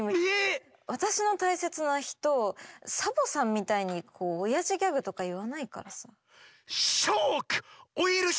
わたしの大切なひとサボさんみたいにおやじギャグとかいわないからさ。